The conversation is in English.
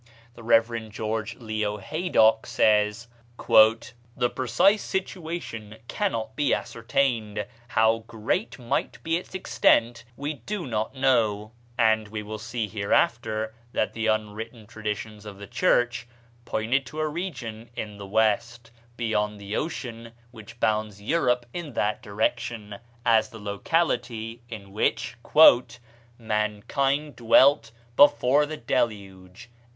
The Rev. George Leo Haydock says, "The precise situation cannot be ascertained; how great might be its extent we do not know;" and we will see hereafter that the unwritten traditions of the Church pointed to a region in the west, beyond the ocean which bounds Europe in that direction, as the locality in which "mankind dwelt before the Deluge."